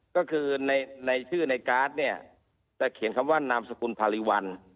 ก็คือในชื่อในการ์ดเนี่ยจะเขียนคำว่านามสกุลพาริวัล